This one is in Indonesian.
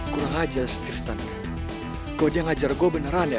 kurang aja setirsan kau dia ngajar gue beneran ya